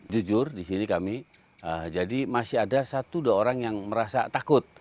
jujur di sini kami jadi masih ada satu dua orang yang merasa takut